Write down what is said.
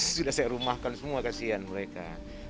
sudah saya rumahkan semua kasihan mereka